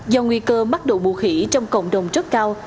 do nguy cơ mắc độ mũ khỉ trong cộng đồng rất cao